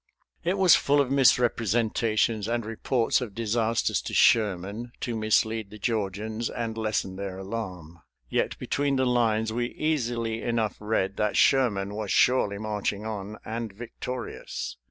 It was full of misrepresentations and reports of disasters to Sherman, to mislead the Georgians and lessen their alarm. Yet between the lines we easily enough read that Sherman was surely marching on, and victorious.